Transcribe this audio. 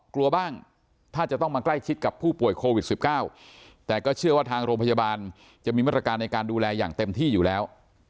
กลัวบ้างถ้าจะต้องมาใกล้ชิดกับผู้ป่วยโควิด๑๙แต่ก็เชื่อว่าทางโรงพยาบาลจะมีมาตรการในการดูแลอย่างเต็มที่อยู่แล้ว